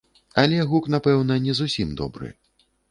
Але гук, напэўна, не зусім добры.